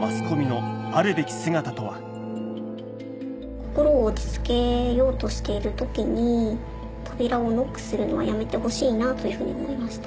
心を落ち着けようとしている時に扉をノックするのはやめてほしいなというふうに思いました。